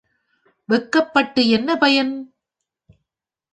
வெட்கப்பட்டு என்ன பயன்?